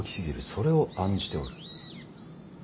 それを案じておる。